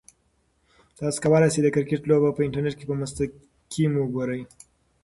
تاسو کولای شئ چې د کرکټ لوبه په انټرنیټ کې په مستقیم وګورئ.